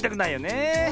ねえ。